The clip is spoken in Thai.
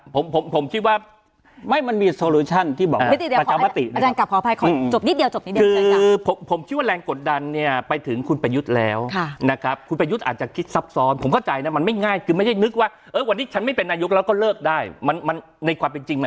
ผมคิดว่าไม่มีทางศัลย์ที่บอก